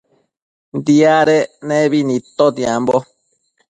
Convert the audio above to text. Diadec nebi nidtotiambo